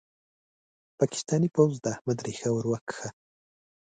پاکستاني پوځ د احمد ريښه ور وکښه.